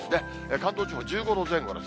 関東地方１５度前後です。